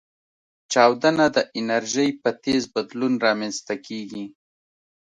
چاودنه د انرژۍ په تیز بدلون رامنځته کېږي.